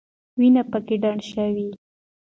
وینې پکې ډنډ شوې.